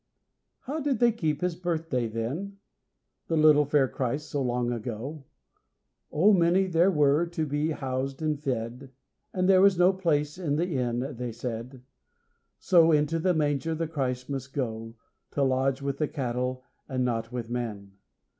How did they keep his birthday then, The little fair Christ, so long ago? O, many there were to be housed and fed, And there was no place in the inn, they said, So into the manger the Christ must go, To lodge with the cattle and not with men.